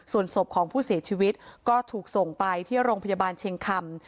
ส่วนศพของผู้เสียชีวิตก็ถูกส่งไปที่โรงพยาบาลเชียงคำ